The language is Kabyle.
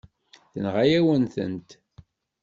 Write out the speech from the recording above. Tenɣa-yawen-tent.